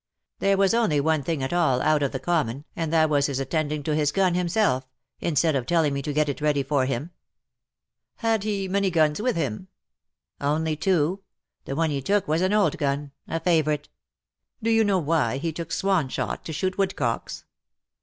There was only one thing at all out of the common, and that was his attending to his gun himself, instead of telling me to get it ready for him.^^ '' Had he many guns with him ?"^' Only two. The one he took was an old gun — a favourite." " Do you know why he took swan shot to shoot woodcocks ?"